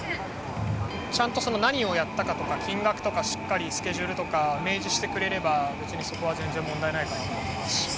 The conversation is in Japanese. ちゃんと何をやったかとか、金額とか、しっかりスケジュールとか明示してくれれば、別にそこは全然問題ないかなと思います。